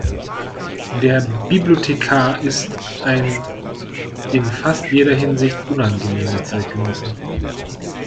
Der Bibliothekar ist ein in fast jeder Hinsicht unangenehmer Zeitgenosse.